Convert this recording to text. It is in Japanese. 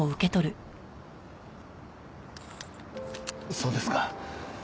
そうですか。